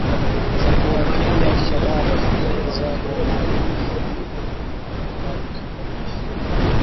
za kuwadhibiti alShabaab ilielezewa na maafisa wa jeshi la Marekani na kijasusi